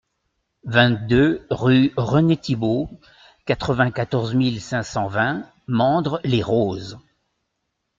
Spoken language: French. vingt-deux rue René Thibault, quatre-vingt-quatorze mille cinq cent vingt Mandres-les-Roses